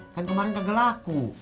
kan kemarin kagak laku